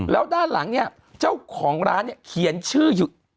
แล้วด้านหลังเนี่ยเจ้าของร้านเนี่ยเขียนชื่ออยู่